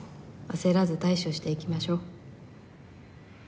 焦らず対処していきましょう。